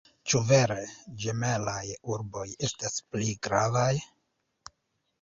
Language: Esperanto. Ĉu vere ĝemelaj urboj estas pli gravaj?